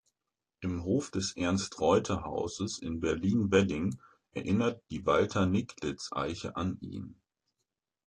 Im Hof des Ernst-Reuter-Hauses in Berlin-Wedding erinnert die „Walter-Nicklitz-Eiche“ an ihn.